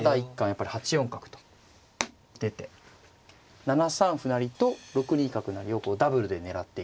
やっぱり８四角と出て７三歩成と６二角成をダブルで狙っていくと。